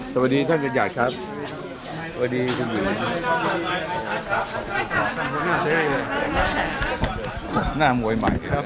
สวัสดีท่านจุดยอดครับ